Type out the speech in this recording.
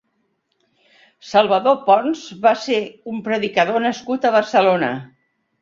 Salvador Ponç va ser un predicador nascut a Barcelona.